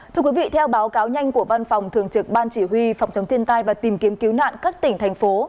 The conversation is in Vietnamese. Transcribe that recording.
thưa quý vị theo báo cáo nhanh của văn phòng thường trực ban chỉ huy phòng chống thiên tai và tìm kiếm cứu nạn các tỉnh thành phố